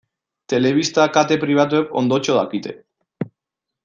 Telebista kate pribatuek ondotxo dakite.